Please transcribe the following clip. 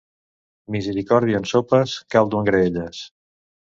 Misericòrdia en sopes, caldo en graelles.